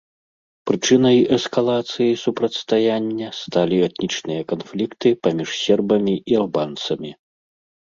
Прычынай эскалацыі супрацьстаяння сталі этнічныя канфлікты паміж сербамі і албанцамі.